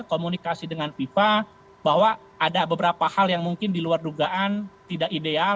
komunikasi dengan fifa bahwa ada beberapa hal yang mungkin diluar dugaan tidak ideal